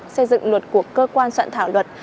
xây dựng luật của cơ quan soạn thảo luật